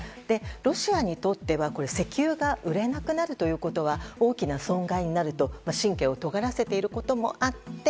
ロシアにとっては石油が売れなくなるということは大きな損害になると、神経をとがらせていることもあって